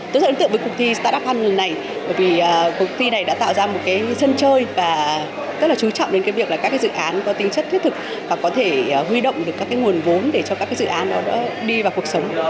tôi rất ấn tượng với cuộc thi startup hunter này bởi vì cuộc thi này đã tạo ra một sân chơi và rất là chú trọng đến việc các dự án có tinh chất thiết thực và có thể huy động được các nguồn vốn để cho các dự án đó